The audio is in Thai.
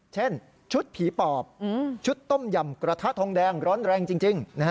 เช่นชุดผีปอบชุดต้มยำกระทะทองแดงร้อนแรงจริง